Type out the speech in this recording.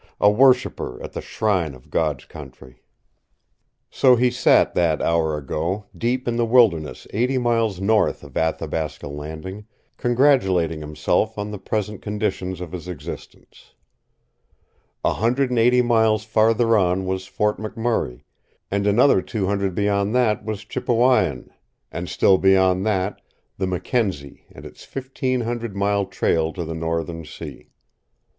A worshiper at the shrine of God's Country. So he sat, that hour ago, deep in the wilderness eighty miles north of Athabasca Landing, congratulating himself on the present conditions of his existence. A hundred and eighty miles farther on was Fort McMurray, and another two hundred beyond that was Chipewyan, and still beyond that the Mackenzie and its fifteen hundred mile trail to the northern sea.